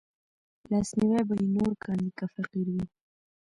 لاسنيوی به يې نور کاندي که فقير وي